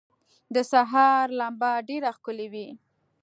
د سهار لمبه ډېره ښکلي وه.